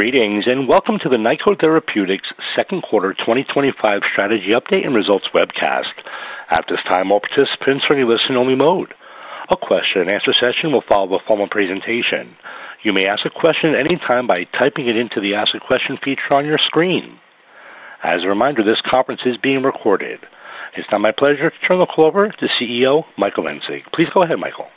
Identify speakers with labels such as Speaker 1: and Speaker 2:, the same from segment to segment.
Speaker 1: Greetings and welcome to the Nykode Therapeutics Second Quarter 2025 Strategy Update and Results Webcast. At this time, all participants are in a listen-only mode. A question and answer session will follow a formal presentation. You may ask a question at any time by typing it into the Ask a Question feature on your screen. As a reminder, this conference is being recorded. It's now my pleasure to turn the call over to CEO Michael Engsig. Please go ahead, Michael.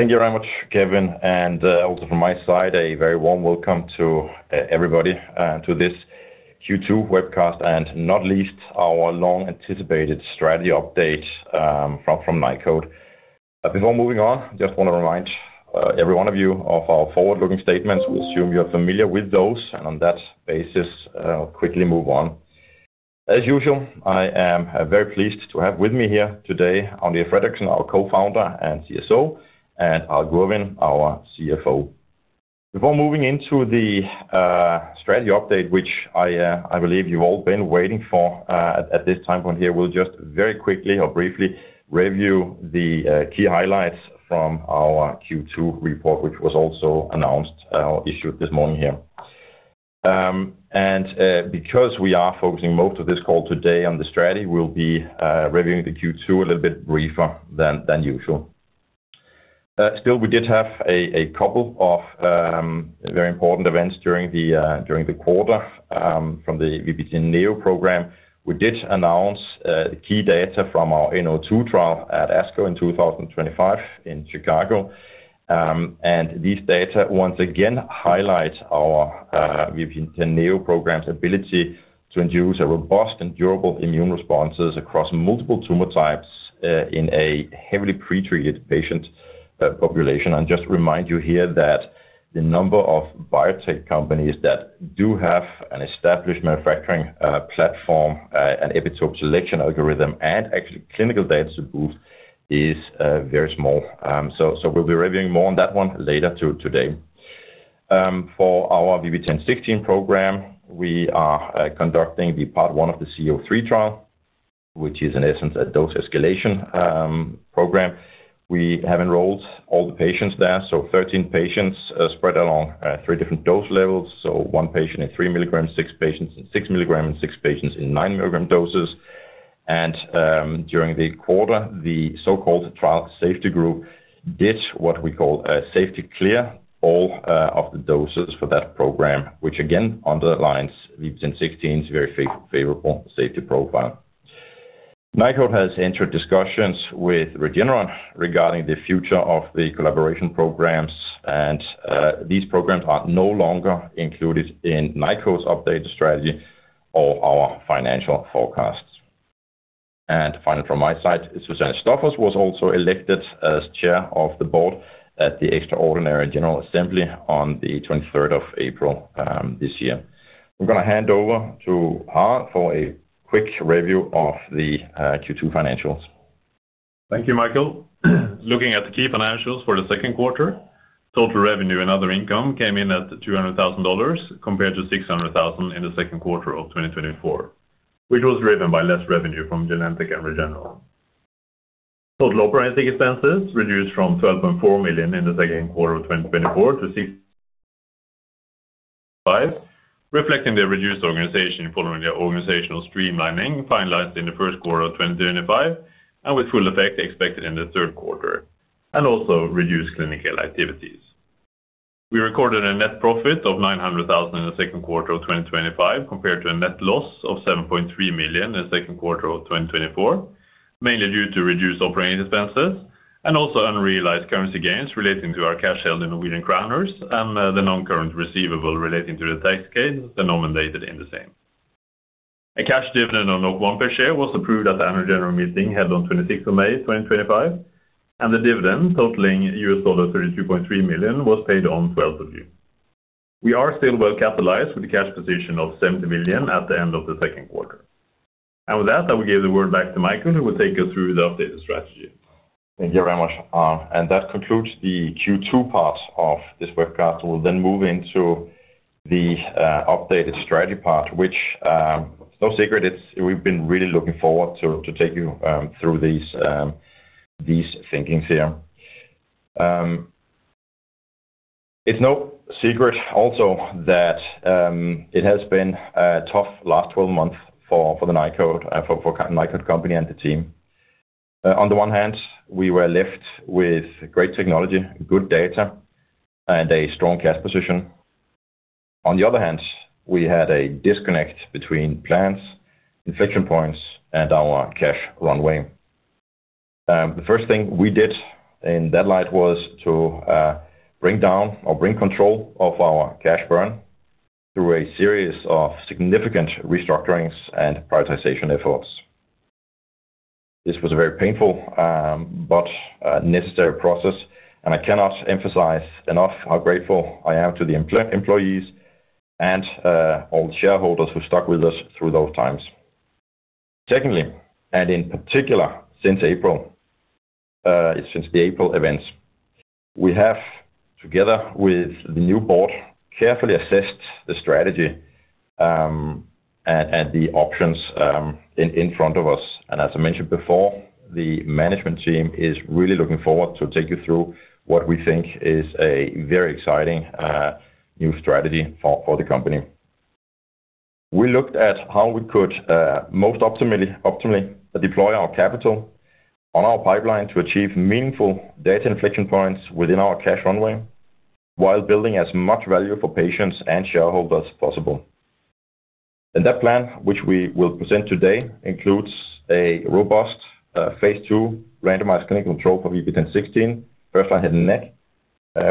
Speaker 2: Thank you very much, Kevin, and also from my side, a very warm welcome to everybody to this Q2 webcast and not least our long-anticipated strategy update from Nykode Therapeutics. Before moving on, I just want to remind every one of you of our forward-looking statements. We assume you are familiar with those, and on that basis, I'll quickly move on. As usual, I am very pleased to have with me here today Agnete Fredriksen, our Co-Founder and CSO, and Harald Gurvin, our CFO. Before moving into the strategy update, which I believe you've all been waiting for at this time point here, we'll just very quickly or briefly review the key highlights from our Q2 report, which was also announced or issued this morning here. Because we are focusing most of this call today on the strategy, we'll be reviewing the Q2 a little bit briefer than usual. Still, we did have a couple of very important events during the quarter from the VB10.NEO program. We did announce the key data from our VB-NO-2 trial at ASCO in 2025 in Chicago. These data, once again, highlight our VB10.NEO program's ability to induce robust and durable immune responses across multiple tumor types in a heavily pretreated patient population. Just to remind you here that the number of biotech companies that do have an established manufacturing platform, an AI-driven epitope selection algorithm, and actually clinical data to boost is very small. We'll be reviewing more on that one later today. For our VB1016 program, we are conducting the part one of the VB-C-03 trial, which is in essence a dose escalation program. We have enrolled all the patients there, so 13 patients spread along three different dose levels. One patient in three milligrams, six patients in six milligrams, and six patients in nine milligram doses. During the quarter, the so-called trial safety group did what we call a safety clear all of the doses for that program, which again underlines VB10.16's very favorable safety profile. Nykode Therapeutics has entered discussions with Regeneron regarding the future of the collaboration programs, and these programs are no longer included in Nykode Therapeutics' updated strategy or our financial forecasts. Finally, from my side, Susanne Stuffers was also elected as Chair of the Board at the extraordinary General Assembly on the 23rd of April this year. I'm going to hand over to Harald for a quick review of the Q2 financials.
Speaker 3: Thank you, Michael. Looking at the key financials for the second quarter, total revenue and other income came in at $200,000 compared to $600,000 in the second quarter of 2024, which was driven by less revenue from Genentech and Regeneron. Total operating expenses reduced from $12.4 million in the second quarter of 2024 to $600,000, reflecting the reduced organization following the organizational streamlining finalized in the first quarter of 2025 with full effect expected in the third quarter, and also reduced clinical activities. We recorded a net profit of $900,000 in the second quarter of 2025 compared to a net loss of $7.3 million in the second quarter of 2024, mainly due to reduced operating expenses and also unrealized currency gains relating to our cash held in Norwegian kroner and the non-current receivable relating to the tax gains denominated in the same. A cash dividend of 1 per share was approved at the Annual General Meeting held on 26th of May 2025, and the dividend totaling $32.3 million was paid on 12th of June. We are still well capitalized with a cash position of $70 million at the end of the second quarter. With that, I will give the word back to Michael, who will take us through the updated strategy.
Speaker 2: Thank you very much, Harald. That concludes the Q2 part of this webcast. We'll then move into the updated strategy part, which is no secret. We've been really looking forward to taking you through these thinkings here. It's no secret also that it has been a tough last 12 months for the Nykode Therapeutics company and the team. On the one hand, we were left with great technology, good data, and a strong cash position. On the other hand, we had a disconnect between plans, inflection points, and our cash runway. The first thing we did in that light was to bring down or bring control of our cash burn through a series of significant restructurings and prioritization efforts. This was a very painful but necessary process, and I cannot emphasize enough how grateful I am to the employees and all the shareholders who stuck with us through those times. Secondly, and in particular since April, since the April events, we have, together with the new board, carefully assessed the strategy and the options in front of us. As I mentioned before, the management team is really looking forward to take you through what we think is a very exciting new strategy for the company. We looked at how we could most optimally deploy our capital on our pipeline to achieve meaningful data inflection points within our cash runway while building as much value for patients and shareholders as possible. That plan, which we will present today, includes a robust phase II randomized controlled trial for VB10.16 verified head and neck,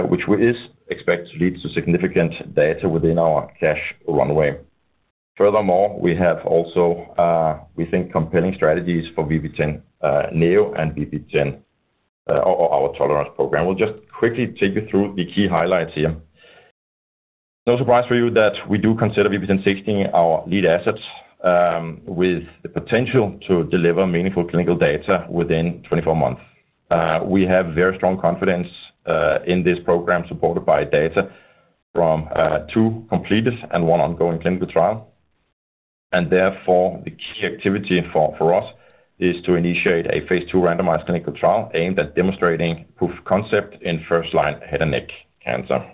Speaker 2: which is expected to lead to significant data within our cash runway. Furthermore, we have also, we think, compelling strategies for VP10.NEO and VP10 or our tolerance program. We'll just quickly take you through the key highlights here. No surprise for you that we do consider VB10.16 our lead asset with the potential to deliver meaningful clinical data within 24 months. We have very strong confidence in this program supported by data from two completed and one ongoing clinical trial. Therefore, the key activity for us is to initiate a phase II randomized clinical trial aimed at demonstrating proof of concept in first-line head and neck cancer.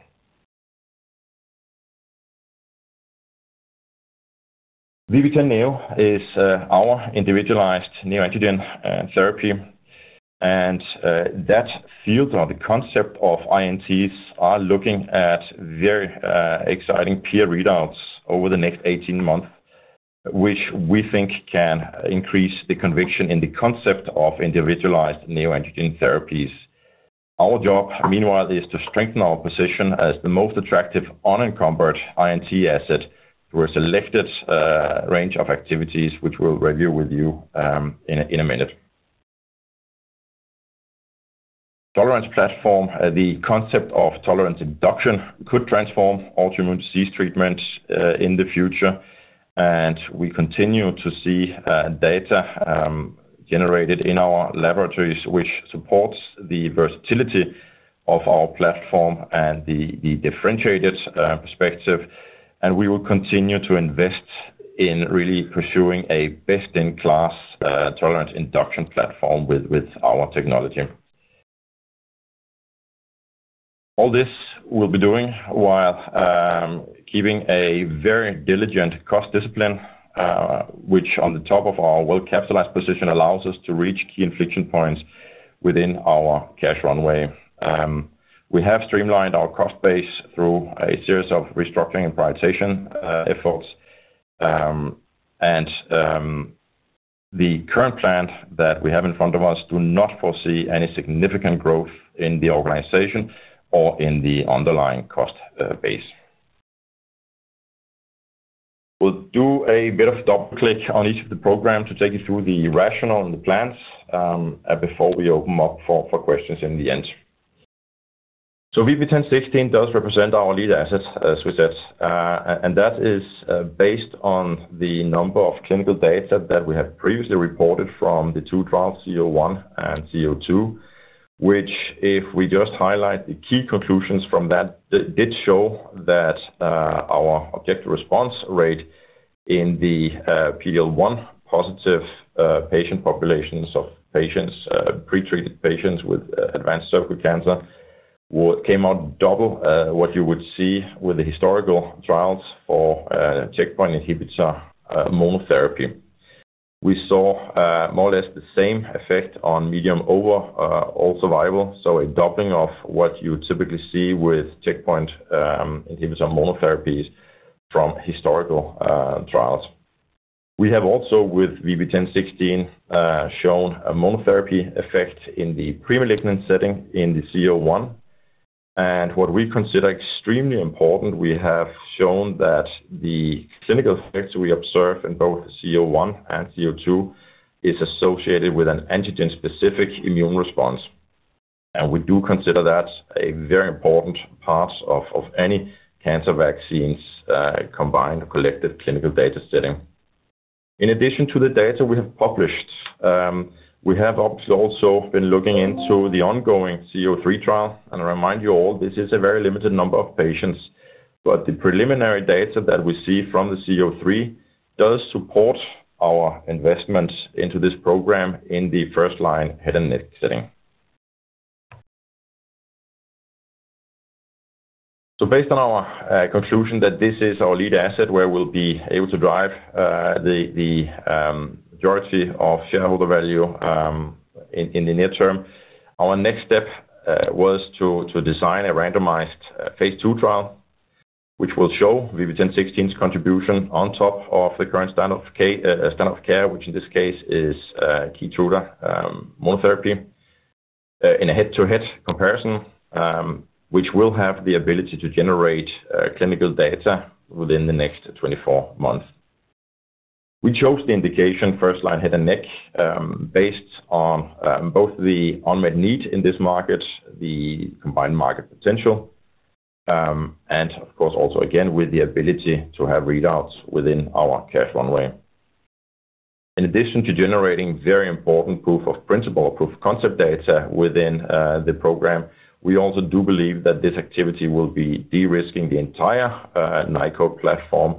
Speaker 2: VP10.NEO is our individualized neoantigen therapy, and that field or the concept of INTs are looking at very exciting peer readouts over the next 18 months, which we think can increase the conviction in the concept of individualized neoantigen therapies. Our job, meanwhile, is to strengthen our position as the most attractive unencumbered INT asset through a selected range of activities, which we'll review with you in a minute. Tolerance platform, the concept of tolerance induction could transform autoimmune disease treatment in the future. We continue to see data generated in our laboratories, which supports the versatility of our platform and the differentiated perspective. We will continue to invest in really pursuing a best-in-class tolerance induction platform with our technology. All this we'll be doing while keeping a very diligent cost discipline, which on the top of our well-capitalized position allows us to reach key inflection points within our cash runway. We have streamlined our cost base through a series of restructuring and prioritization efforts. The current plan that we have in front of us does not foresee any significant growth in the organization or in the underlying cost base. We'll do a bit of double-click on each of the programs to take you through the rationale and the plans before we open up for questions in the end. VB10.16 does represent our lead asset, as we said, and that is based on the number of clinical data that we have previously reported from the two trials, CO-1 and CO-2, which if we just highlight the key conclusions from that, did show that our objective response rate in the PL-1 positive patient populations of patients, pretreated patients with advanced cervical cancer, came out double what you would see with the historical trials for checkpoint inhibitor monotherapy. We saw more or less the same effect on median overall survival, so a doubling of what you typically see with checkpoint inhibitor monotherapies from historical trials. We have also with VB10.16 shown a monotherapy effect in the premalignant setting in the CO-1. What we consider extremely important, we have shown that the clinical effects we observe in both the CO-1 and CO-2 are associated with an antigen-specific immune response. We do consider that a very important part of any cancer vaccine's combined or collected clinical data setting. In addition to the data we have published, we have obviously also been looking into the ongoing CO-3 trial. I remind you all, this is a very limited number of patients, but the preliminary data that we see from the CO-3 does support our investment into this program in the first-line head and neck setting. Based on our conclusion that this is our lead asset where we'll be able to drive the majority of shareholder value in the near term, our next step was to design a randomized phase II trial, which will show VB10.16's contribution on top of the current standard of care, which in this case is Keytruda monotherapy in a head-to-head comparison, which will have the ability to generate clinical data within the next 24 months. We chose the indication first-line head and neck based on both the unmet need in this market, the combined market potential, and of course also again with the ability to have readouts within our cash runway. In addition to generating very important proof of principle or proof of concept data within the program, we also do believe that this activity will be de-risking the entire Nykode Therapeutics platform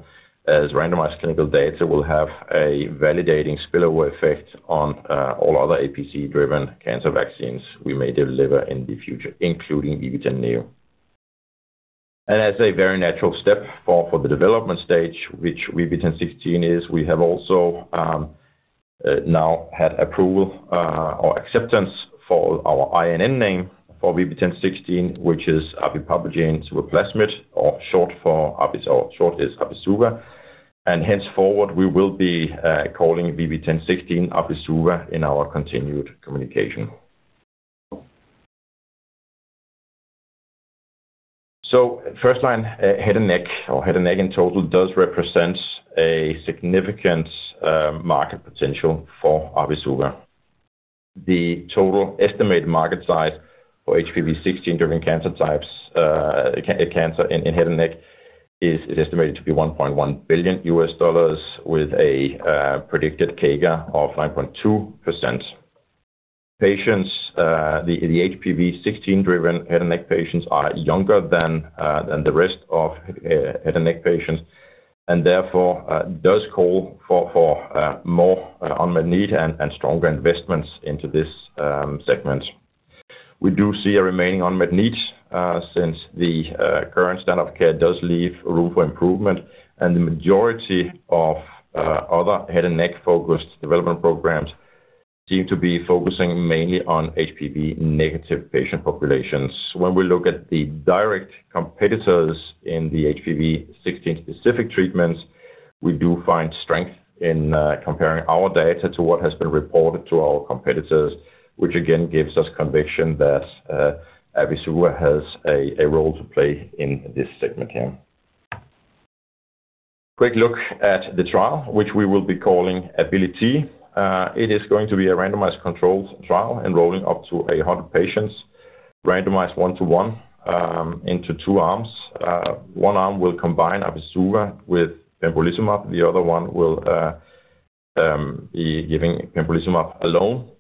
Speaker 2: as randomized clinical data will have a validating spillover effect on all other APC-targeted cancer vaccines we may deliver in the future, including VP10.NEO. As a very natural step for the development stage, which VB10.16 is, we have also now had approval or acceptance for our INN name for VB10.16, which is abipapogene suvaplasmid or short for abi-suva. Henceforward, we will be calling VB10.16 abi-suva in our continued communication. First-line head and neck or head and neck in total does represent a significant market potential for abi-suva. The total estimated market size for HPV16-driven cancer types in head and neck is estimated to be $1.1 billion with a predicted CAGR of 9.2%. Patients, the HPV16-driven head and neck patients are younger than the rest of head and neck patients, and therefore does call for more unmet need and stronger investments into this segment. We do see a remaining unmet need since the current standard of care does leave room for improvement, and the majority of other head and neck-focused development programs seem to be focusing mainly on HPV-negative patient populations. When we look at the direct competitors in the HPV16-specific treatments, we do find strength in comparing our data to what has been reported to our competitors, which again gives us conviction that abi-suva has a role to play in this segment here. Quick look at the trial, which we will be calling Ability. It is going to be a randomized controlled trial enrolling up to 100 patients, randomized one-to-one into two arms. One arm will combine abi-suva with pembrolizumab, the other one will be giving pembrolizumab alone.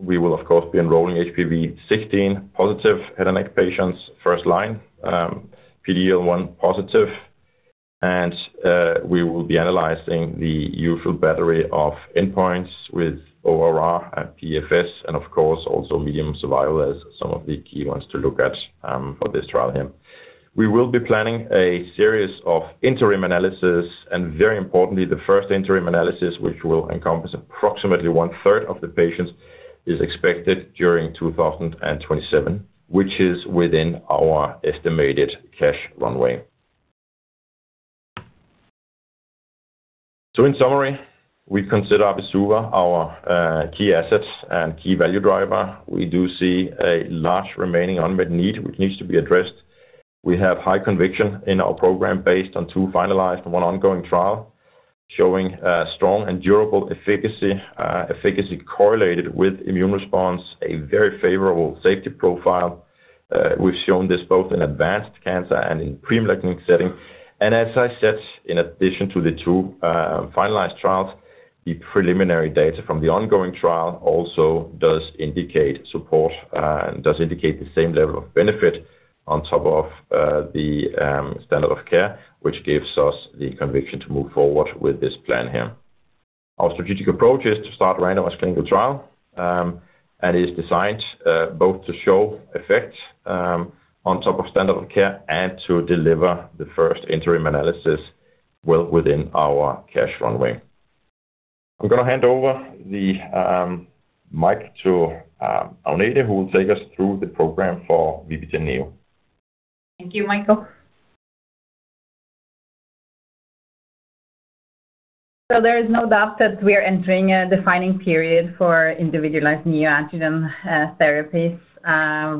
Speaker 2: We will, of course, be enrolling HPV16-positive head and neck patients, first-line PD-L1 positive, and we will be analyzing the usual battery of endpoints with ORR and PFS, and of course also median survival as some of the key ones to look at for this trial here. We will be planning a series of interim analyses, and very importantly, the first interim analysis, which will encompass approximately one-third of the patients, is expected during 2027, which is within our estimated cash runway. In summary, we consider abi-suva our key asset and key value driver. We do see a large remaining unmet need, which needs to be addressed. We have high conviction in our program based on two finalized and one ongoing trial showing strong and durable efficacy correlated with immune response, a very favorable safety profile. We've shown this both in advanced cancer and in premalignant setting. In addition to the two finalized trials, the preliminary data from the ongoing trial also does indicate support and does indicate the same level of benefit on top of the standard of care, which gives us the conviction to move forward with this plan here. Our strategic approach is to start a randomized controlled trial and is designed both to show effect on top of standard of care and to deliver the first interim analysis well within our cash runway. I'm going to hand over the mic to Agnete, who will take us through the program for VB10.NEO.
Speaker 4: Thank you, Michael. There is no doubt that we are entering a defining period for individualized neoantigen therapies.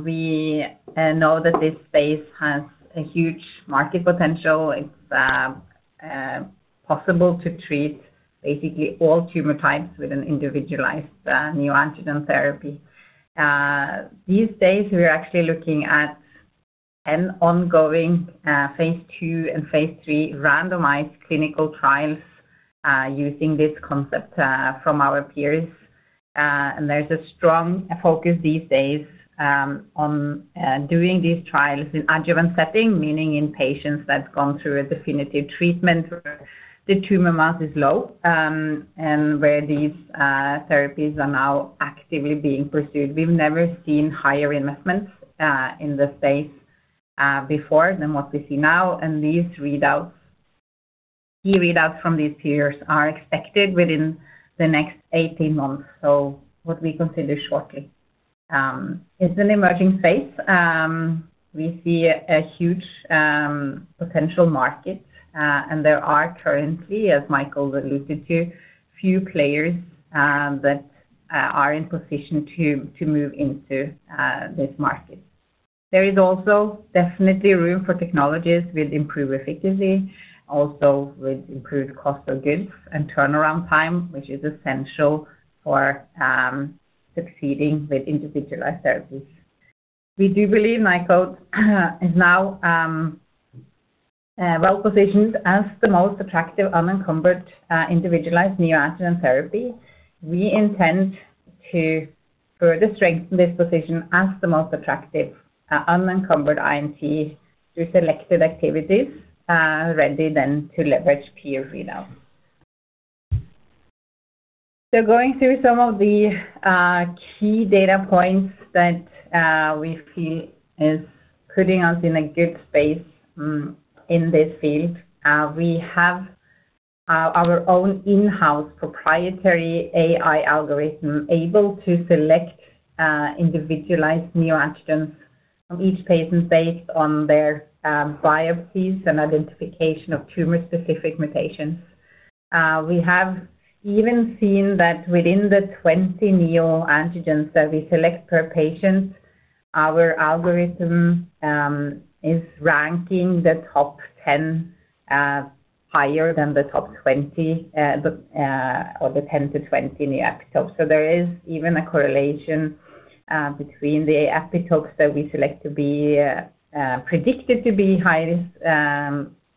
Speaker 4: We know that this space has a huge market potential. It's possible to treat basically all tumor types with an individualized neoantigen therapy. These days, we are actually looking at ongoing phase II and phase III randomized controlled trials using this concept from our peers. There's a strong focus these days on doing these trials in the adjuvant setting, meaning in patients that have gone through a definitive treatment where the tumor mass is low and where these therapies are now actively being pursued. We've never seen higher investments in the space before than what we see now. These key readouts from these peers are expected within the next 18 months, which we consider shortly. It's an emerging space. We see a huge potential market, and there are currently, as Michael alluded to, a few players that are in position to move into this market. There is also definitely room for technologies with improved efficacy, also with improved cost of goods and turnaround time, which is essential for succeeding with individualized therapies. We do believe Nykode Therapeutics is now well positioned as the most attractive unencumbered individualized neoantigen therapy. We intend to further strengthen this position as the most attractive unencumbered INT through selected activities, ready then to leverage peer readouts. Going through some of the key data points that we feel are putting us in a good space in this field, we have our own in-house proprietary AI-driven epitope selection algorithm able to select individualized neoantigens from each patient based on their biopsies and identification of tumor-specific mutations. We have even seen that within the 20 neoantigens that we select per patient, our algorithm is ranking the top 10 higher than the top 20 of the 10 to 20 neoepitopes. There is even a correlation between the epitopes that we select to be predicted to be highly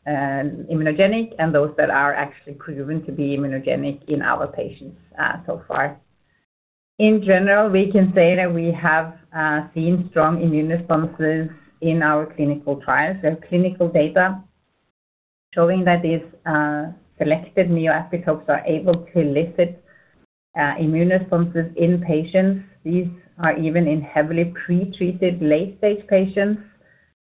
Speaker 4: immunogenic and those that are actually proven to be immunogenic in our patients so far. In general, we can say that we have seen strong immune responses in our clinical trials. We have clinical data showing that these selected neoepitopes are able to elicit immune responses in patients. These are even in heavily pretreated late-stage patients.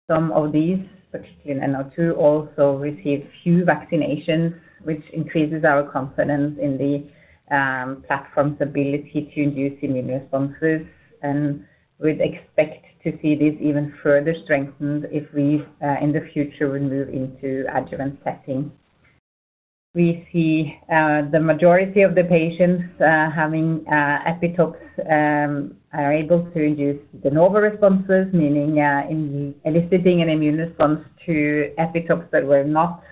Speaker 4: Some of these, particularly in NO2, also receive few vaccinations, which increases our confidence in the platform's ability to induce immune responses. We expect to see this even further strengthened if we, in the future, move into adjuvant testing. We see the majority of the patients having epitopes are able to induce de novo responses, meaning eliciting an immune response to epitopes that were not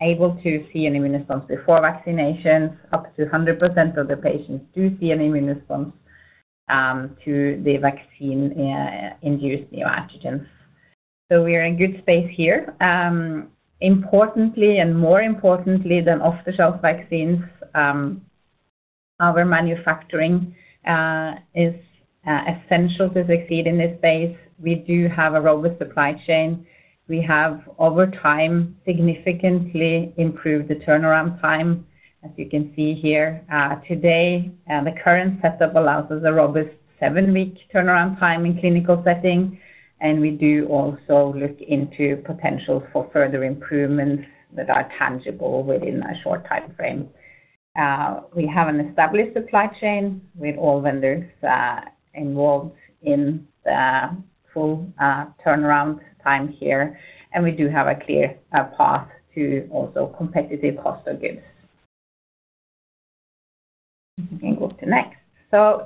Speaker 4: able to see an immune response before vaccinations. Up to 100% of the patients do see an immune response to the vaccine-induced neoantigens. We are in a good space here. Importantly, and more importantly than off-the-shelf vaccines, our manufacturing is essential to succeed in this space. We do have a robust supply chain. We have, over time, significantly improved the turnaround time. As you can see here today, the current setup allows us a robust seven-week turnaround time in clinical setting. We do also look into potential for further improvements that are tangible within a short time frame. We have an established supply chain with all vendors involved in the full turnaround time here. We do have a clear path to also competitive cost of goods. If you can go up to next.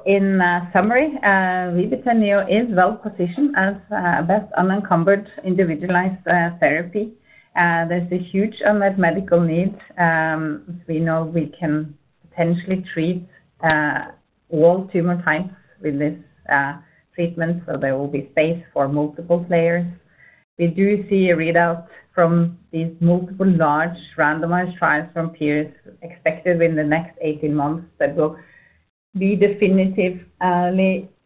Speaker 4: In summary, VB10.NEO is well positioned as a best unencumbered individualized therapy. There's a huge unmet medical need. We know we can potentially treat all tumor types with this treatment, so there will be space for multiple players. We do see a readout from these multiple large randomized trials from peers expected in the next 18 months that will be definitively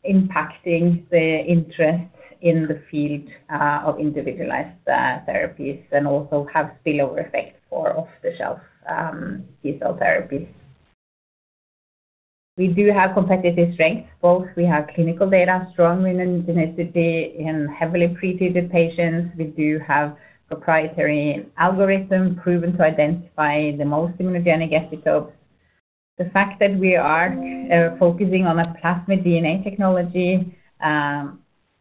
Speaker 4: impacting the interest in the field of individualized therapies and also have spillover effect for off-the-shelf T-cell therapies. We do have competitive strengths. Both we have clinical data strongly in genetically and heavily pretreated patients. We do have a proprietary algorithm proven to identify the most immunogenic epitopes. The fact that we are focusing on a plasmid DNA technology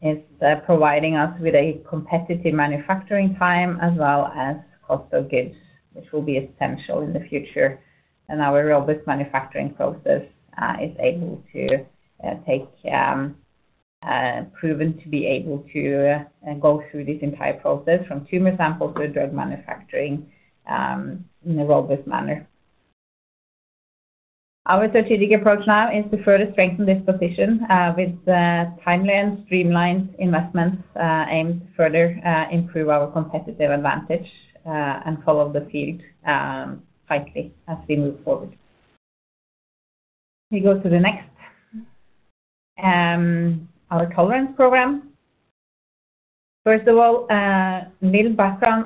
Speaker 4: is providing us with a competitive manufacturing time as well as cost of goods, which will be essential in the future. Our robust manufacturing process is able to take proven to be able to go through this entire process from tumor sample to drug manufacturing in a robust manner. Our strategic approach now is to further strengthen this position with timely and streamlined investments aimed to further improve our competitive advantage and follow the field tightly as we move forward. We go to the next. Our tolerance program. First of all, a little background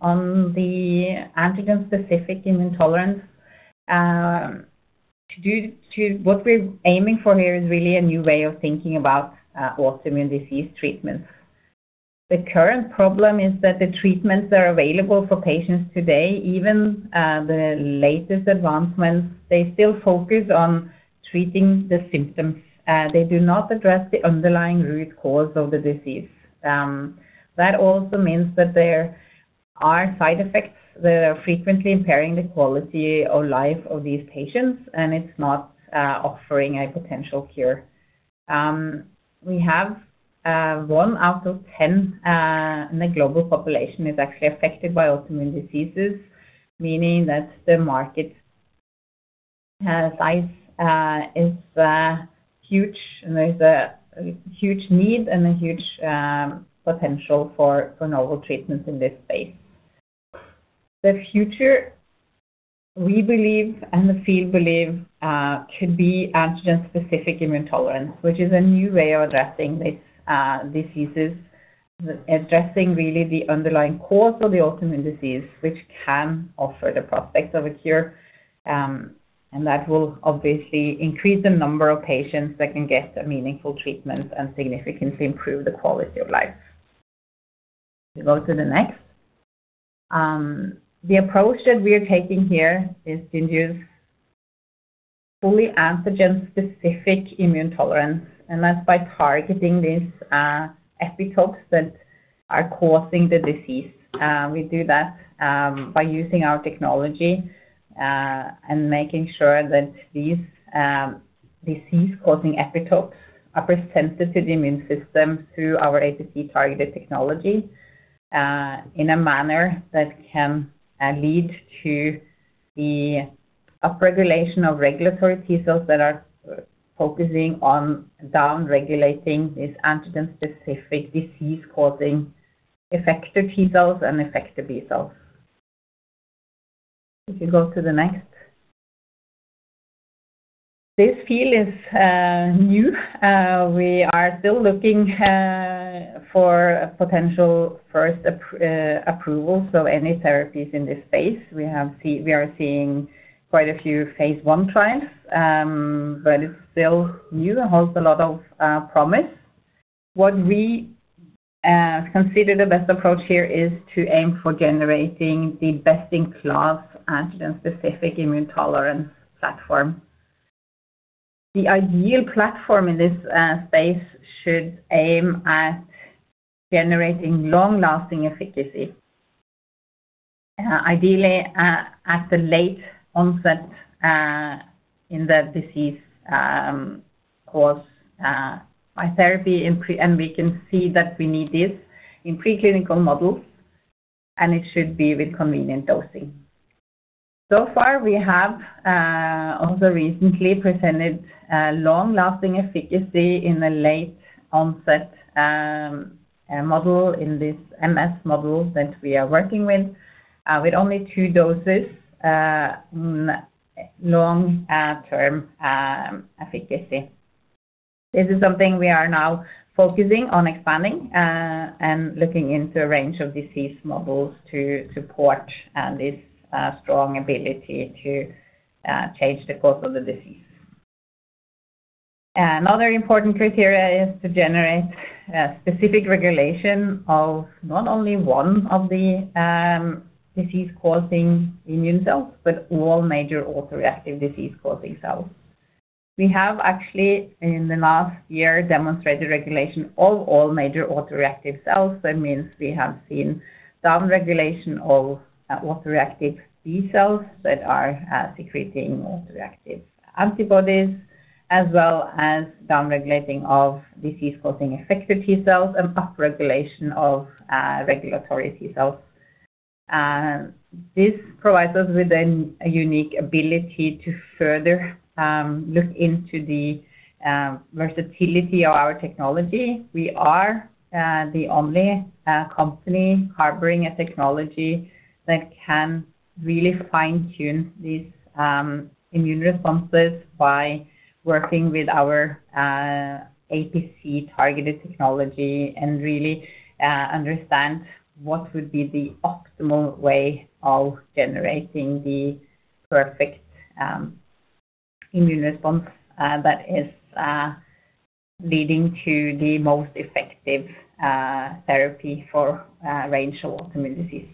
Speaker 4: on the antigen-specific immune tolerance. What we're aiming for here is really a new way of thinking about autoimmune disease treatments. The current problem is that the treatments that are available for patients today, even the latest advancements, still focus on treating the symptoms. They do not address the underlying root cause of the disease. That also means that there are side effects that are frequently impairing the quality of life of these patients, and it's not offering a potential cure. We have 1 out of 10 in the global population is actually affected by autoimmune diseases, meaning that the market size is huge, and there's a huge need and a huge potential for novel treatments in this space. The future, we believe, and the field believes, could be antigen-specific immune tolerance, which is a new way of addressing these diseases, addressing really the underlying cause of the autoimmune disease, which can offer the prospects of a cure. That will obviously increase the number of patients that can get a meaningful treatment and significantly improve the quality of life. We go to the next. The approach that we are taking here is to induce fully antigen-specific immune tolerance, and that's by targeting these epitopes that are causing the disease. We do that by using our technology and making sure that these disease-causing epitopes are presented to the immune system through our APC-targeted technology in a manner that can lead to the upregulation of regulatory T cells that are focusing on down-regulating these antigen-specific disease-causing effective T cells and effective B cells. If you go to the next. This field is new. We are still looking for potential first approvals of any therapies in this space. We are seeing quite a few phase one trials, but it's still new and holds a lot of promise. What we consider the best approach here is to aim for generating the best-in-class antigen-specific immune tolerance platform. The ideal platform in this space should aim at generating long-lasting efficacy, ideally at the late onset in the disease caused by therapy. We can see that we need this in preclinical models, and it should be with convenient dosing. So far, we have also recently presented long-lasting efficacy in the late onset model in this MS model that we are working with, with only two doses long-term efficacy. This is something we are now focusing on expanding and looking into a range of disease models to support this strong ability to change the course of the disease. Another important criteria is to generate specific regulation of not only one of the disease-causing immune cells, but all major autoreactive disease-causing cells. We have actually, in the last year, demonstrated regulation of all major autoreactive cells. That means we have seen down-regulation of autoreactive B cells that are secreting autoreactive antibodies, as well as down-regulation of disease-causing effector T cells and upregulation of regulatory T cells. This provides us with a unique ability to further look into the versatility of our technology. We are the only company harboring a technology that can really fine-tune these immune responses by working with our APC-targeted approach and really understand what would be the optimal way of generating the perfect immune response that is leading to the most effective therapy for a range of autoimmune diseases.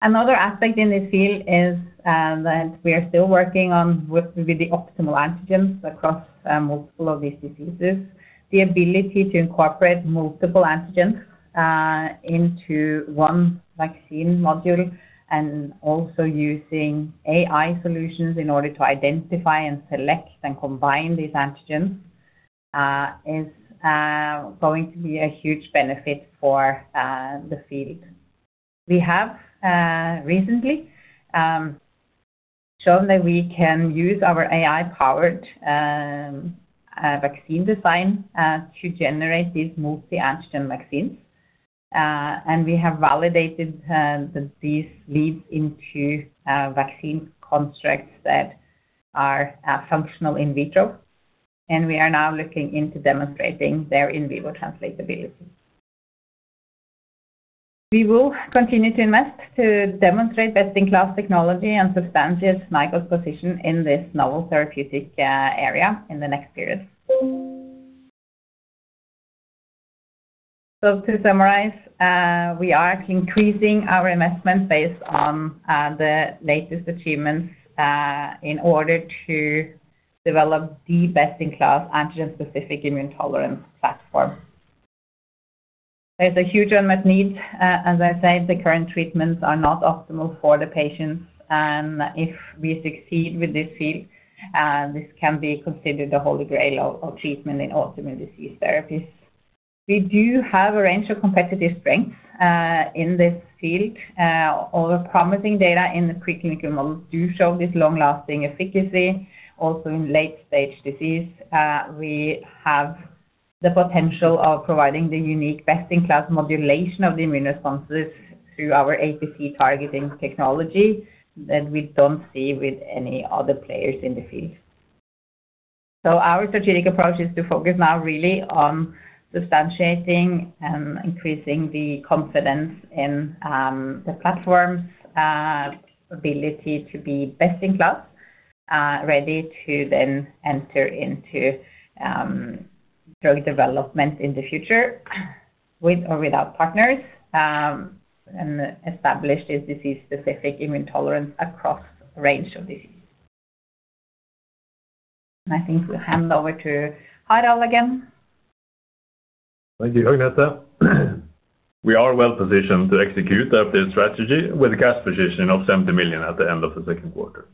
Speaker 4: Another aspect in this field is that we are still working on what would be the optimal antigens across multiple of these diseases. The ability to incorporate multiple antigens into one vaccine module and also using AI solutions in order to identify and select and combine these antigens is going to be a huge benefit for the field. We have recently shown that we can use our AI-driven epitope selection algorithm to generate these multi-antigen vaccines. We have validated that these lead into vaccine constructs that are functional in vitro, and we are now looking into demonstrating their in vivo translatability. We will continue to invest to demonstrate best-in-class technology and substantiate Nykode Therapeutics' position in this novel therapeutic area in the next period. To summarize, we are actually increasing our investments based on the latest achievements in order to develop the best-in-class antigen-specific immune tolerance platform. There's a huge unmet need. The current treatments are not optimal for the patients. If we succeed with this field, this can be considered the holy grail of treatment in autoimmune disease therapies. We do have a range of competitive strengths in this field. Overpromising data in the preclinical models do show this long-lasting efficacy. Also in late-stage disease, we have the potential of providing the unique best-in-class modulation of the immune responses through our APC-targeted approach that we don't see with any other players in the field. Our strategic approach is to focus now really on substantiating and increasing the confidence in the platform's ability to be best-in-class, ready to then enter into drug development in the future with or without partners and establish this antigen-specific immune tolerance across a range of diseases. I think we'll hand over to Harald again.
Speaker 3: Thank you, Agnete. We are well positioned to execute the updated strategy with a cash position of $70 million at the end of the second quarter.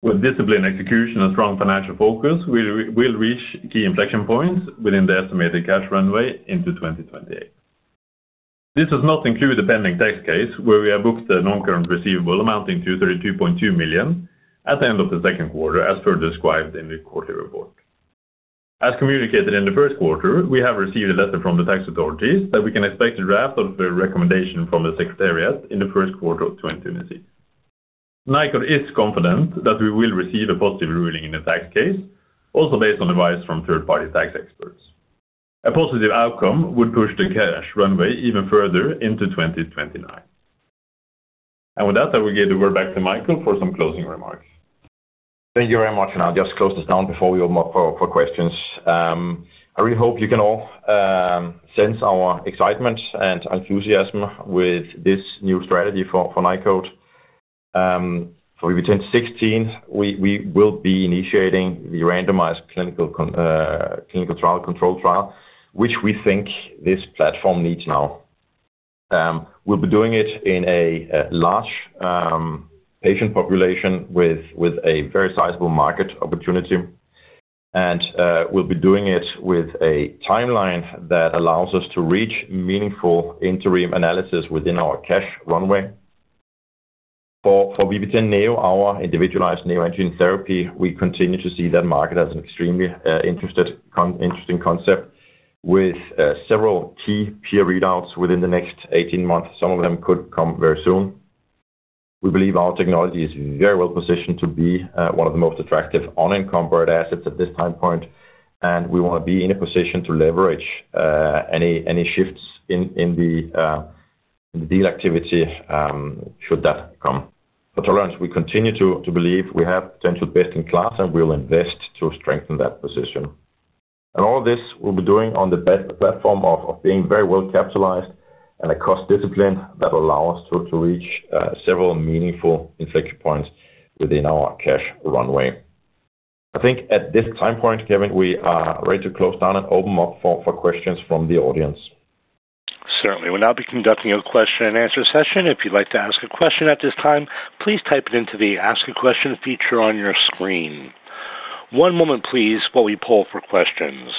Speaker 3: With disciplined execution and strong financial focus, we will reach key inflection points within the estimated cash runway into 2028. This does not include the pending tax case where we have booked a non-current receivable amounting to $32.2 million at the end of the second quarter, as described in the quarterly report. As communicated in the first quarter, we have received a letter from the tax authorities that we can expect a draft of the recommendation from the secretariat in the first quarter of 2026. Nykode is confident that we will receive a positive ruling in the tax case, also based on advice from third-party tax experts. A positive outcome would push the cash runway even further into 2029. I will give the word back to Michael for some closing remarks.
Speaker 2: Thank you very much. I'll just close this down before we open up for questions. I really hope you can all sense our excitement and enthusiasm with this new strategy for Nykode Therapeutics. For VB10.16, we will be initiating the randomized controlled trial, which we think this platform needs now. We'll be doing it in a large patient population with a very sizable market opportunity, and we'll be doing it with a timeline that allows us to reach meaningful interim analysis within our cash runway. For VP10.NEO, our individualized neoantigen therapy, we continue to see that market as an extremely interesting concept with several key peer readouts within the next 18 months. Some of them could come very soon. We believe our technology is very well positioned to be one of the most attractive unencumbered assets at this time point, and we want to be in a position to leverage any shifts in the deal activity should that come. For tolerance, we continue to believe we have potential best-in-class and we will invest to strengthen that position. All of this we'll be doing on the best platform of being very well capitalized and a cost discipline that allows us to reach several meaningful inflection points within our cash runway. I think at this time point, Kevin, we are ready to close down and open up for questions from the audience.
Speaker 1: Certainly. We'll now be conducting a question and answer session. If you'd like to ask a question at this time, please type it into the Ask a Question feature on your screen. One moment, please, while we poll for questions.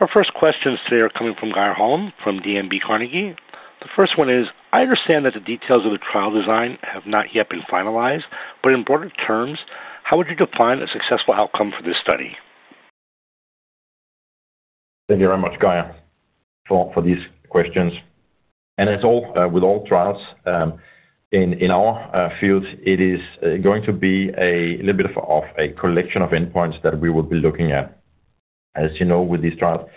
Speaker 1: Our first question today is coming from Geir Holom from DNB Carnegie. The first one is, I understand that the details of the trial design have not yet been finalized, but in broader terms, how would you define a successful outcome for this study?
Speaker 2: Thank you very much, Geir, for these questions. As with all trials in our field, it is going to be a little bit of a collection of endpoints that we will be looking at. As you know, with these trials,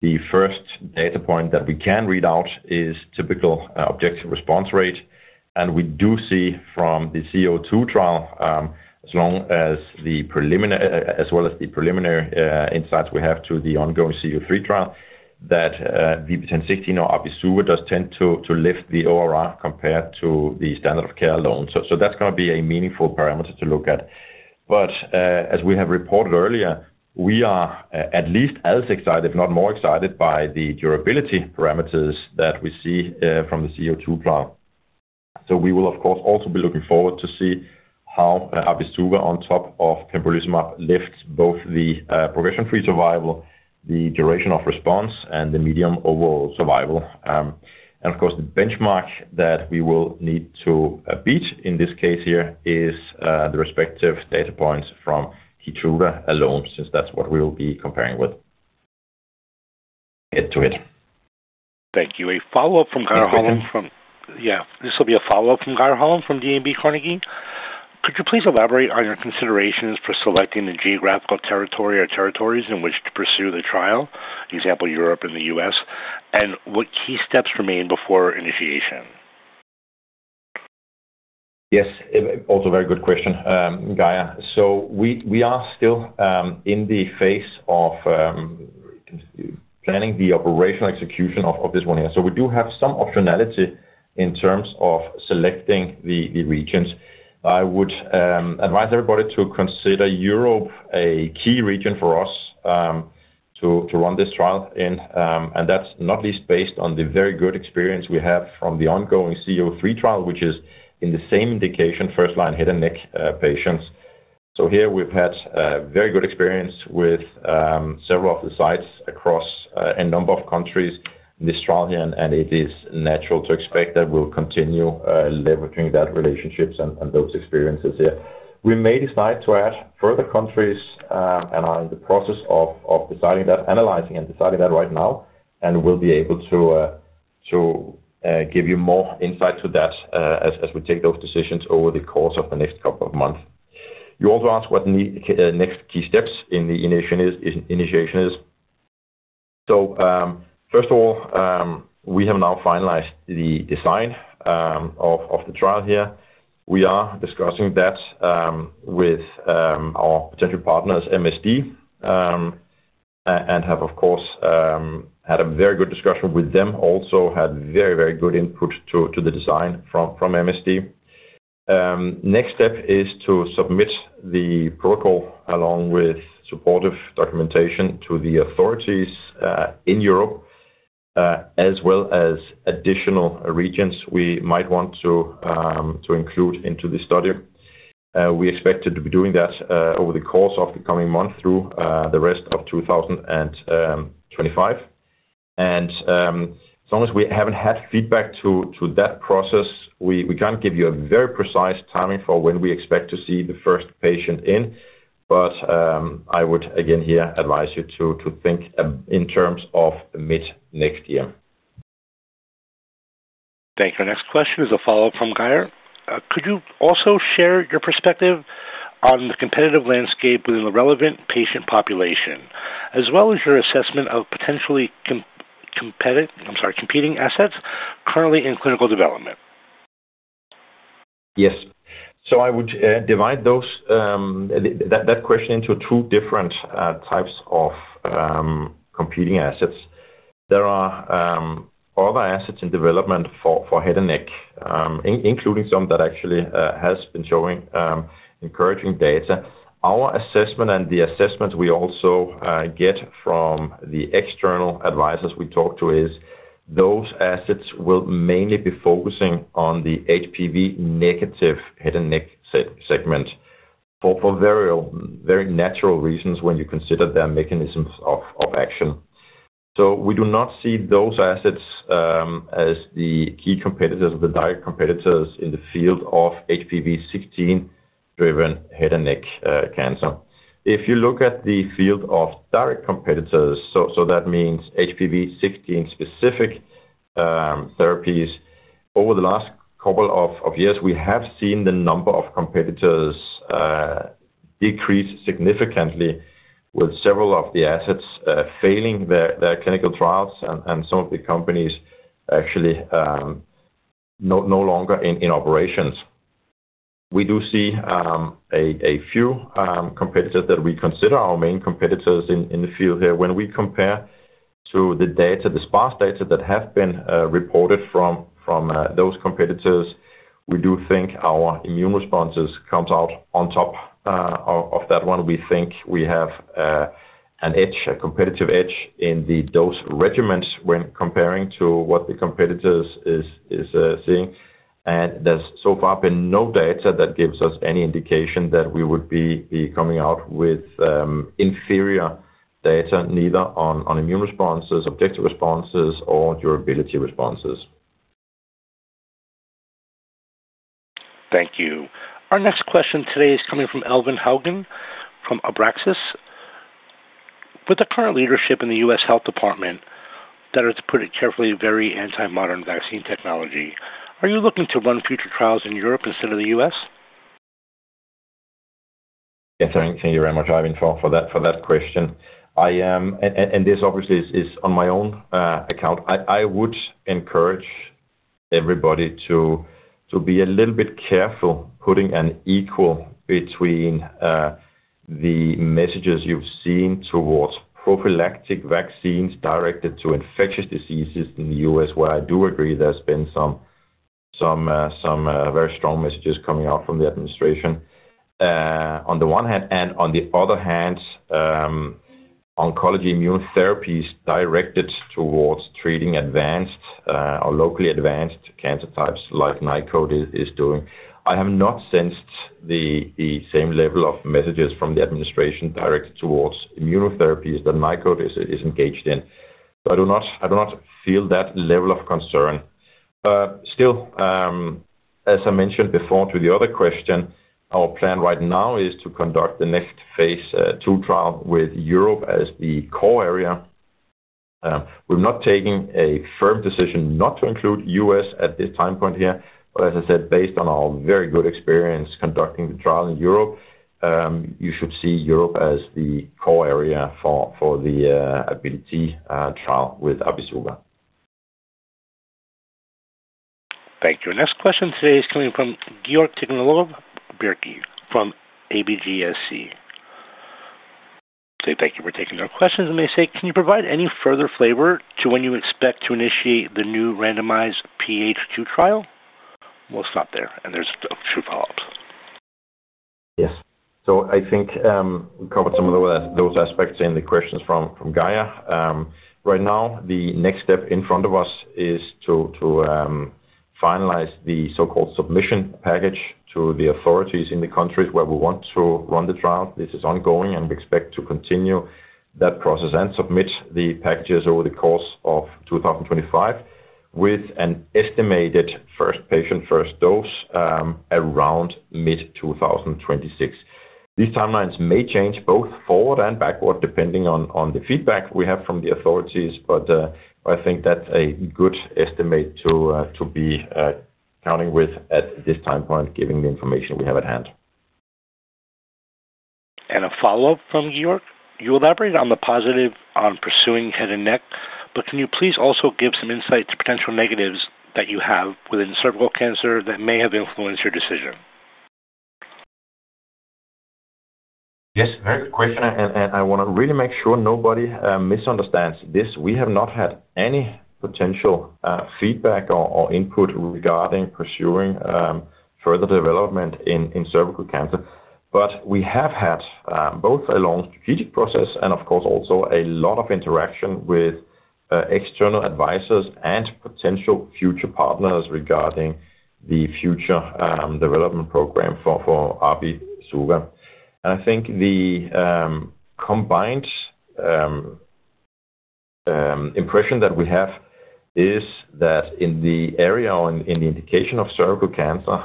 Speaker 2: the first data point that we can read out is typical objective response rate. We do see from the CO-2 trial, as well as the preliminary insights we have to the ongoing CO-3 trial, that VB10.16 or abi-suva does tend to lift the ORR compared to the standard of care alone. That is going to be a meaningful parameter to look at. As we have reported earlier, we are at least as excited, if not more excited, by the durability parameters that we see from the CO-2 trial. We will, of course, also be looking forward to see how abi-suva on top of pembrolizumab lifts both the progression-free survival, the duration of response, and the median overall survival. The benchmark that we will need to beat in this case here is the respective data points from Keytruda alone, since that is what we will be comparing with.
Speaker 1: Thank you. A follow-up from Geir Holom.
Speaker 2: Geir Holom from.
Speaker 1: This will be a follow-up from Geir Holom from DNB Carnegie. Could you please elaborate on your considerations for selecting the geographical territory or territories in which to pursue the trial, for example Europe and the U.S., and what key steps remain before initiation?
Speaker 2: Yes. Also, very good question, Geir. We are still in the phase of planning the operational execution of this one here. We do have some optionality in terms of selecting the regions. I would advise everybody to consider Europe a key region for us to run this trial in. That's not least based on the very good experience we have from the ongoing VB-C-03 trial, which is in the same indication, first-line head and neck patients. We've had a very good experience with several of the sites across a number of countries in this trial here. It is natural to expect that we'll continue leveraging that relationship and those experiences here. We may decide to add further countries, and I'm in the process of deciding that, analyzing and deciding that right now. We'll be able to give you more insight to that as we take those decisions over the course of the next couple of months. You also asked what the next key steps in the initiation is. First of all, we have now finalized the design of the trial here. We are discussing that with our potential partners, MSD, and have, of course, had a very good discussion with them. Also had very, very good input to the design from MSD. Next step is to submit the protocol along with supportive documentation to the authorities in Europe, as well as additional regions we might want to include into the study. We expect to be doing that over the course of the coming month through the rest of 2025. As long as we haven't had feedback to that process, we can't give you a very precise timing for when we expect to see the first patient in. I would again here advise you to think in terms of mid-next year.
Speaker 1: Thank you. Our next question is a follow-up from Geir. Could you also share your perspective on the competitive landscape within the relevant patient population, as well as your assessment of potentially competing assets currently in clinical development?
Speaker 2: Yes. I would divide that question into two different types of competing assets. There are other assets in development for head and neck, including some that actually have been showing encouraging data. Our assessment and the assessments we also get from the external advisors we talk to is those assets will mainly be focusing on the HPV-negative head and neck segment for very natural reasons when you consider their mechanisms of action. We do not see those assets as the key competitors or the direct competitors in the field of HPV16-driven head and neck cancer. If you look at the field of direct competitors, that means HPV16-specific therapies, over the last couple of years, we have seen the number of competitors decrease significantly, with several of the assets failing their clinical trials and some of the companies actually no longer in operations. We do see a few competitors that we consider our main competitors in the field here. When we compare to the data, the sparse data that have been reported from those competitors, we do think our immune responses come out on top of that one. We think we have an edge, a competitive edge in the dose regimens when comparing to what the competitors are seeing. There's so far been no data that gives us any indication that we would be coming out with inferior data, neither on immune responses, objective responses, or durability responses.
Speaker 1: Thank you. Our next question today is coming from Elvin Haugen from Abraxis. With the current leadership in the U.S. Health Department that is pretty carefully very anti-modern vaccine technology, are you looking to run future trials in Europe instead of the U.S.?
Speaker 2: Yes. Thank you very much, Ivan, for that question. This obviously is on my own account. I would encourage everybody to be a little bit careful putting an equal between the messages you've seen towards prophylactic vaccines directed to infectious diseases in the U.S., where I do agree there's been some very strong messages coming out from the administration. On the one hand, and on the other hand, oncology immune therapies directed towards treating advanced or locally advanced cancer types like Nykode Therapeutics is doing. I have not sensed the same level of messages from the administration directed towards immunotherapies that Nykode Therapeutics is engaged in. I do not feel that level of concern. Still, as I mentioned before to the other question, our plan right now is to conduct the next phase II trial with Europe as the core area. We're not taking a firm decision not to include the U.S. at this time point here. As I said, based on our very good experience conducting the trial in Europe, you should see Europe as the core area for the Ability trial with abi-suva.
Speaker 1: Thank you. Next question today is coming from Georg Tigalonov-Bjerke from ABGSC. Thank you for taking our questions. They say, can you provide any further flavor to when you expect to initiate the new randomized phase II trial? We'll stop there. There are two follow-ups.
Speaker 2: Yes. I think we covered some of those aspects in the questions from Geir. Right now, the next step in front of us is to finalize the so-called submission package to the authorities in the countries where we want to run the trial. This is ongoing, and we expect to continue that process and submit the packages over the course of 2025 with an estimated first patient first dose around mid-2026. These timelines may change both forward and backward depending on the feedback we have from the authorities. I think that's a good estimate to be counting with at this time point, given the information we have at hand.
Speaker 1: You elaborated on the positive on pursuing head and neck, but can you please also give some insights to potential negatives that you have within cervical cancer that may have influenced your decision?
Speaker 2: Yes. Very good question. I want to really make sure nobody misunderstands this. We have not had any potential feedback or input regarding pursuing further development in cervical cancer. We have had both a long strategic process and, of course, also a lot of interaction with external advisors and potential future partners regarding the future development program for abi-suva. I think the combined impression that we have is that in the area or in the indication of cervical cancer,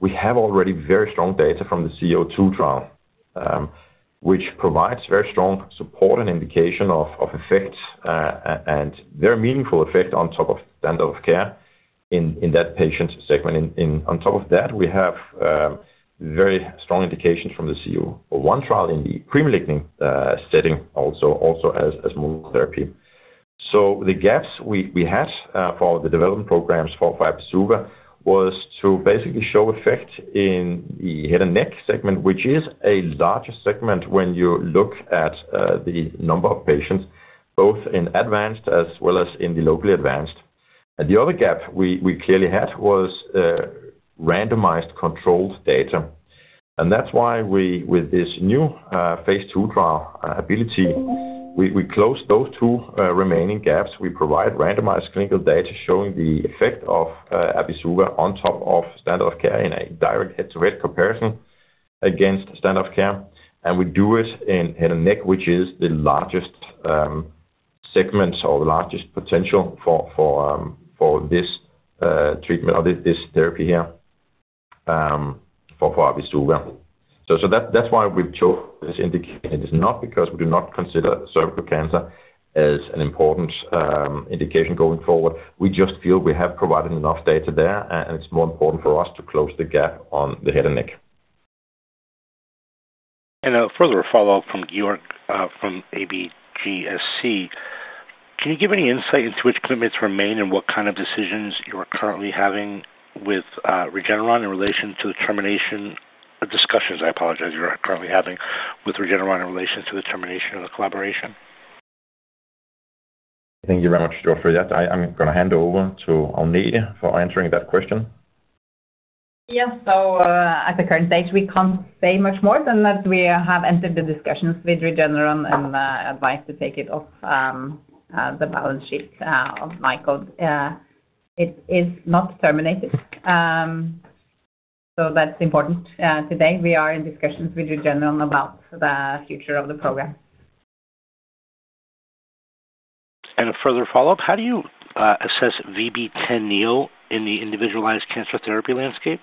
Speaker 2: we have already very strong data from the CO-2 trial, which provides very strong support and indication of effect and very meaningful effect on top of standard of care in that patient segment. On top of that, we have very strong indications from the CO-1 trial in the premalignant setting, also as monotherapy. The gaps we had for the development programs for abi-suva was to basically show effect in the head and neck segment, which is a larger segment when you look at the number of patients, both in advanced as well as in the locally advanced. The other gap we clearly had was randomized controlled data. That's why we, with this new phase II trial Ability, closed those two remaining gaps. We provide randomized clinical data showing the effect of abi-suva on top of standard of care in a direct head-to-head comparison against standard of care. We do it in head and neck, which is the largest segment or the largest potential for this treatment or this therapy here for abi-suva. That's why we've chosen this indication. It is not because we do not consider cervical cancer as an important indication going forward. We just feel we have provided enough data there, and it's more important for us to close the gap on the head and neck.
Speaker 1: A further follow-up from Georg from ABGSC. Can you give any insight into which limits remain and what kind of decisions you are currently having with Regeneron in relation to the termination of the collaboration?
Speaker 2: Thank you very much, Georg, for that. I'm going to hand over to Agnete for answering that question.
Speaker 4: At the current stage, we can't say much more than that we have ended the discussions with Regeneron and advised to take it off the balance sheet of Nykode. It is not terminated. That's important. Today, we are in discussions with Regeneron about the future of the program.
Speaker 1: Further follow-up. How do you assess VP10.NEO in the individualized cancer therapy landscape?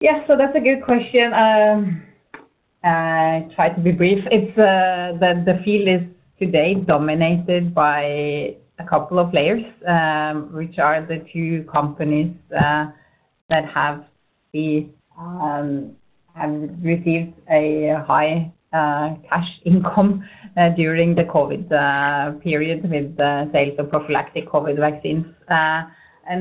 Speaker 4: Yeah. That's a good question. I'll try to be brief. The field is today dominated by a couple of players, which are the two companies that have received a high cash income during the COVID period with the sales of prophylactic COVID vaccines.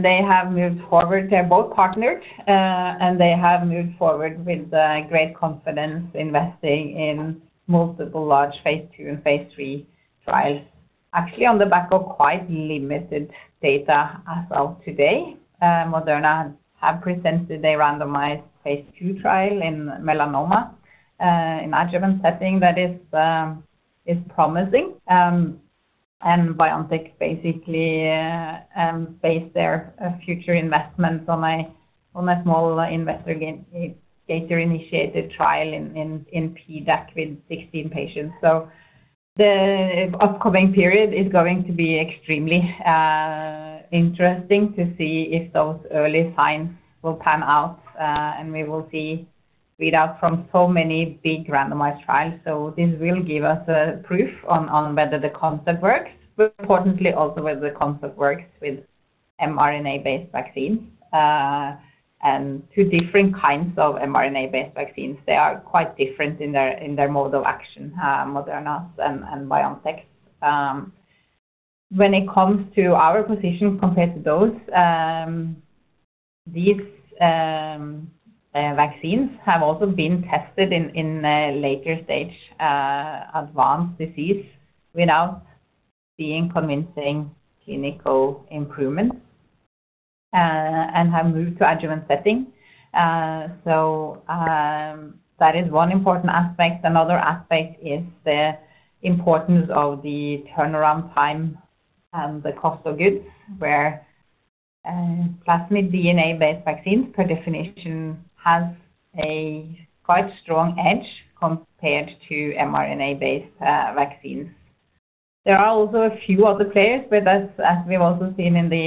Speaker 4: They have moved forward. They're both partnered, and they have moved forward with great confidence investing in multiple large phase II and phase III trials. Actually, on the back of quite limited data as of today, Moderna has presented a randomized phase II trial in melanoma in an adjuvant setting that is promising. BioNTech basically based their future investments on a small investigator-initiated trial in PDAC with 16 patients. The upcoming period is going to be extremely interesting to see if those early signs will pan out. We will see readouts from so many big randomized trials. This will give us proof on whether the concept works, but importantly also whether the concept works with mRNA-based vaccines. Two different kinds of mRNA-based vaccines, they are quite different in their mode of action, Moderna and BioNTech. When it comes to our position compared to those, these vaccines have also been tested in a later stage advanced disease without being convincing clinical improvement and have moved to adjuvant setting. That is one important aspect. Another aspect is the importance of the turnaround time and the cost of goods, where plasmid DNA-based vaccines, per definition, have a quite strong edge compared to mRNA-based vaccines. There are also a few other players, but as we've also seen in the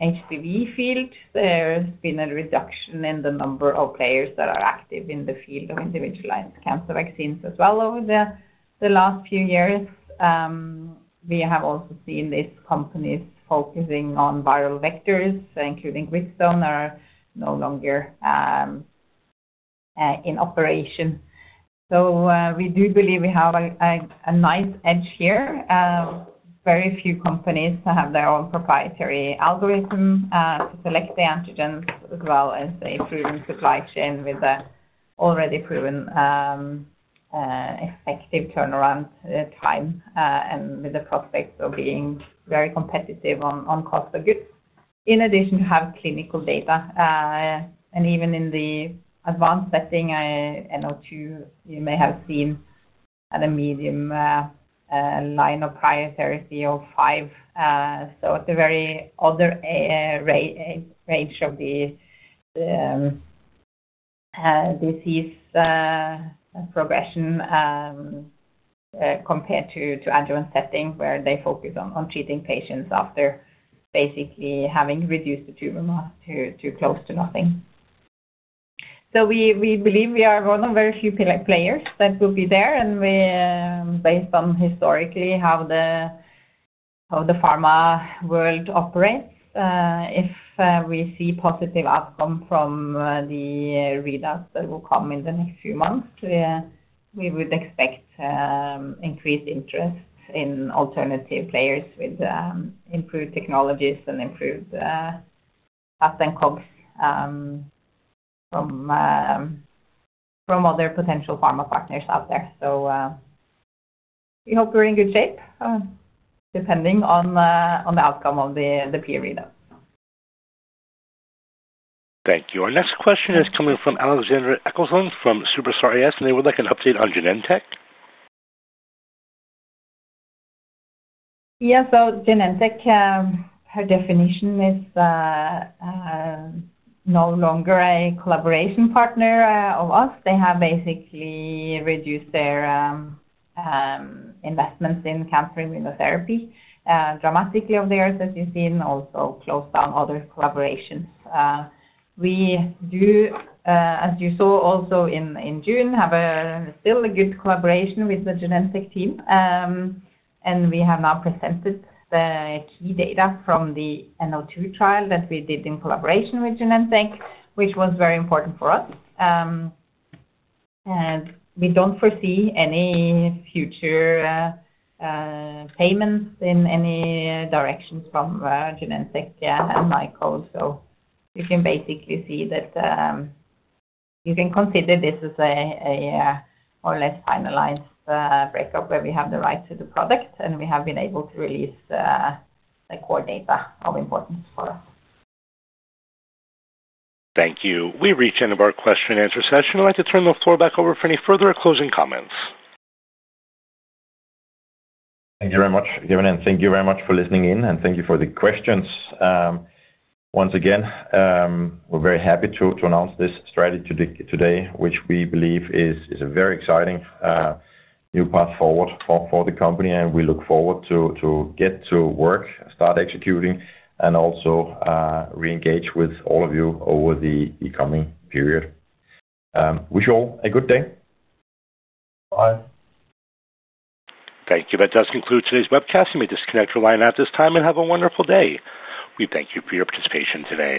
Speaker 4: HPV field, there's been a reduction in the number of players that are active in the field of individualized cancer vaccines as well over the last few years. We have also seen these companies focusing on viral vectors, including Gritstone. They are no longer in operation. We do believe we have a nice edge here. Very few companies have their own proprietary algorithm to select the antigens as well as a proven supply chain with an already proven effective turnaround time and with the prospects of being very competitive on cost of goods, in addition to having clinical data. Even in the advanced setting, NO-2, you may have seen at a median line of prior therapy of five. At the very other range of the disease progression compared to adjuvant settings, where they focus on treating patients after basically having reduced the tumor mass to close to nothing. We believe we are one of very few players that will be there. Based on historically how the pharma world operates, if we see positive outcomes from the readouts that will come in the next few months, we would expect increased interest in alternative players with improved technologies and improved patent comps from other potential pharma partners out there. We hope we're in good shape, depending on the outcome of the peer readout.
Speaker 1: Thank you. Our next question is coming from Alexandra Eckelson from Superstar AS. They would like an update on Genentech.
Speaker 4: Yeah. Genentech is no longer a collaboration partner of us. They have basically reduced their investments in cancer immunotherapy dramatically over the years that you've seen. They also closed down other collaborations. We do, as you saw also in June, have still a good collaboration with the Genentech team. We have now presented the key data from the NO2 trial that we did in collaboration with Genentech, which was very important for us. We don't foresee any future payments in any directions from Genentech and Nykode. You can basically see that you can consider this as a more or less finalized breakup where we have the right to the product and we have been able to release the core data of importance for us.
Speaker 1: Thank you. We reached the end of our question and answer session. I'd like to turn the floor back over for any further or closing comments.
Speaker 2: Thank you very much, Kevin. Thank you very much for listening in, and thank you for the questions. Once again, we're very happy to announce this strategy today, which we believe is a very exciting new path forward for the company. We look forward to get to work, start executing, and also re-engage with all of you over the coming period. Wish you all a good day.
Speaker 3: Bye.
Speaker 1: Thank you. That does conclude today's webcast. We disconnect from the line at this time and have a wonderful day. We thank you for your participation today.